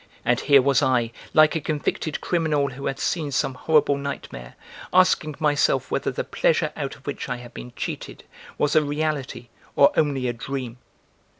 And here was I, like a convicted criminal who had seen some horrible nightmare, asking myself whether the pleasure out of which I had been cheated was a reality or only a dream.